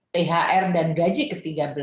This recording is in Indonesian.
thr dan gaji ke tiga belas